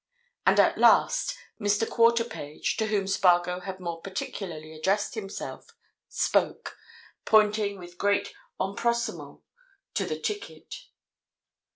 And at last Mr. Quarterpage, to whom Spargo had more particularly addressed himself, spoke, pointing with great empressement to the ticket.